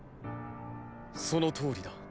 そのとおりだ。